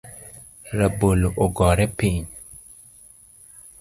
Rabolo ogore piny